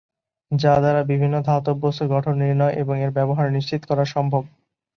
যা দ্বারা বিভিন্ন ধাতব বস্তুর গঠন নির্ণয় এবং এর ব্যবহার নিশ্চিত করা সম্ভব।